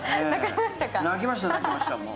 泣きました泣きました、もう。